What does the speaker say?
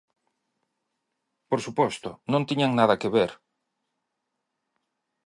Por suposto, non tiñan nada que ver.